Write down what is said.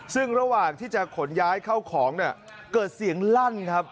ซึ่งระหว่างที่จะขนย้ายเข้าของเนี่ยเกิดเสียงลั่นครับ